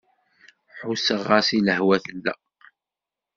Ḥusseɣ-as i lehwa tella.